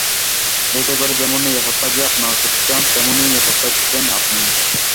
এতে করে যেমন নিরাপদ থাকবে আপনার প্রতিষ্ঠান, তেমনি নিরাপদ থাকবেন আপনিও।